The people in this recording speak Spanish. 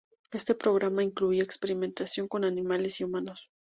Este programa incluía experimentación con animales y humanos.